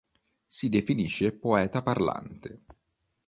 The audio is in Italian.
Si definisce “poeta parlante”.